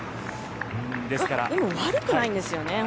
でも悪くないんですよね。